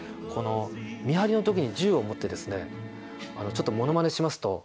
見張りの時に銃を持ってですねちょっとモノマネしますと。